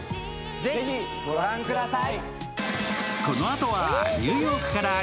ぜひ御覧ください。